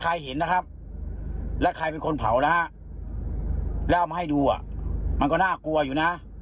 เห็นนะครับและใครเป็นคนเผานะฮะแล้วเอามาให้ดูอ่ะมันก็น่ากลัวอยู่นะ